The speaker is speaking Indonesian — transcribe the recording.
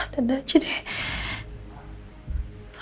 dada aja deh